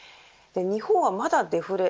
日本はまだデフレ